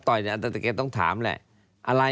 ถ้าต่อยแกต้องถามแหละ